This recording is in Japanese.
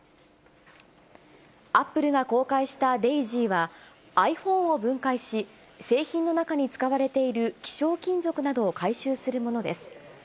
アップルが公開したＤａｉｓｙは、ｉＰｈｏｎｅを分解し、製品の中に使われている希少金属などを回収するものです。